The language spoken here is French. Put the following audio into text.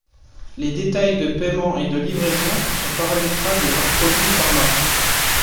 Les détails de paiement et de livraison sont paramétrables par produit et marque.